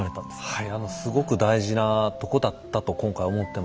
はいあのすごく大事なとこだったと今回思ってます。